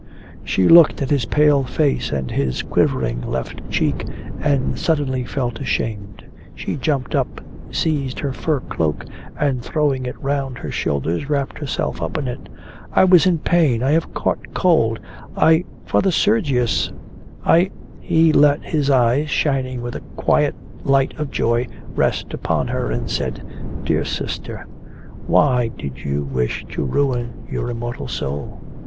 She looked at his pale face and his quivering left cheek, and suddenly felt ashamed. She jumped up, seized her fur cloak, and throwing it round her shoulders, wrapped herself up in it. 'I was in pain... I have caught cold... I... Father Sergius... I...' He let his eyes, shining with a quiet light of joy, rest upon her, and said: 'Dear sister, why did you wish to ruin your immortal soul?